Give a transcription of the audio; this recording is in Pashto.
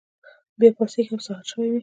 بیا پاڅیږي او سهار شوی وي.